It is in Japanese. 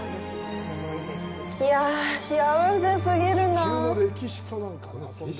いや、幸せ過ぎるなあ。